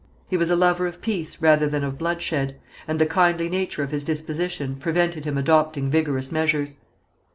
He was a lover of peace, rather than of bloodshed, and the kindly nature of his disposition prevented him adopting vigorous measures.